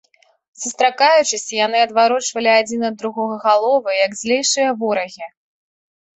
Сустракаючыся, яны адварочвалі адзін ад другога галовы, як злейшыя ворагі.